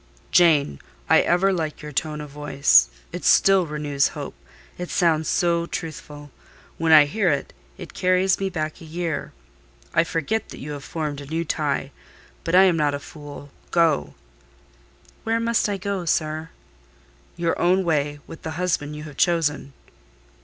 "Jane, I ever like your tone of voice: it still renews hope, it sounds so truthful. When I hear it, it carries me back a year. I forget that you have formed a new tie. But I am not a fool—go—" "Where must I go, sir?" "Your own way—with the husband you have chosen."